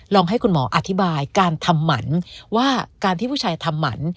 ให้คุณหมออธิบายการทำหมันว่าการที่ผู้ชายทำหมัน